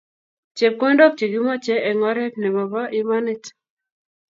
Chepkondok che kimoche eng oret nemobo imanit